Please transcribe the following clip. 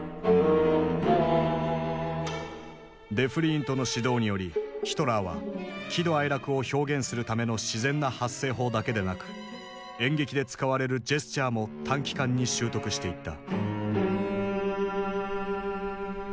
デフリーントの指導によりヒトラーは喜怒哀楽を表現するための自然な発声法だけでなく演劇で使われるジェスチャーも短期間に習得していった。